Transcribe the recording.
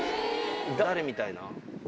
誰みたいな？